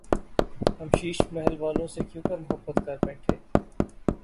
ہم شیش محل والوں سے کیونکر محبت کر بیتھے